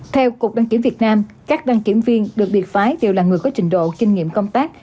theo cục đăng kiểm việt nam các đăng kiểm viên được biệt phái đều là người có trình độ kinh nghiệm công tác